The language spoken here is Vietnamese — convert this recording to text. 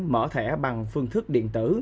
mở thẻ bằng phương thức điện tử